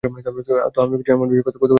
তো আমিও কিছু এমন বিষয়ে কথা বলতে যাচ্ছি।